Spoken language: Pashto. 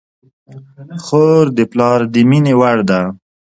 خور د پلار د مینې وړ ده.